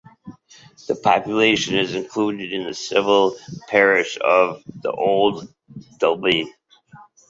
The population is included in the civil parish of Broughton and Old Dalby.